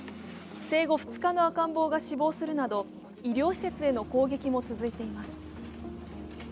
生後２日の赤ん坊が死亡するなど医療施設への攻撃も続いています。